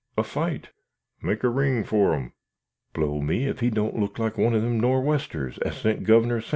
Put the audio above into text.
a fight!" "Make a ring for 'em." "Blow me, if he don't look like one o' them Nor'westers as sent Governor Semple out the world.